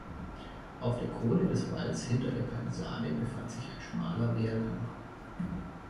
Auf der Krone des Walls, hinter der Palisade, befand sich ein schmaler Wehrgang.